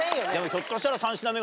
ひょっとしたら。